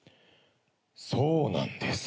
そうなんです。